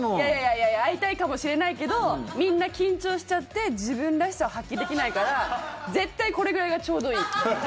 いやいや会いたいかもしれないけどみんな緊張しちゃって自分らしさを発揮できないから絶対これぐらいがちょうどいい。